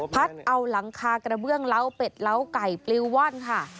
เอาหลังคากระเบื้องเล้าเป็ดล้าไก่ปลิวว่อนค่ะ